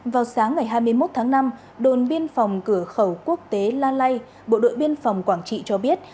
vào sáng ngày hai mươi một tháng năm đồn biên phòng cửa khẩu quốc tế la lai bộ đội biên phòng quảng trị cho biết